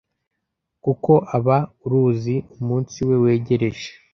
kuko aba aruzi umunsi we wegereje